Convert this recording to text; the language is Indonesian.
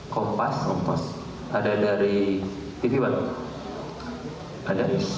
kompas kompas ada dari tv one ada